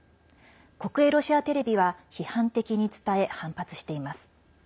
国営ロシアテレビは批判的に伝え反発しています。